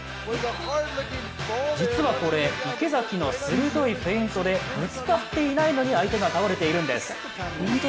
実はこれ、池崎の鋭いフェイントでぶつかっていないのに相手が倒れているんです。